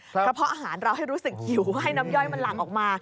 เพราะอาหารเราให้รู้สึกหิวให้น้ำย่อยมันหลั่งออกมา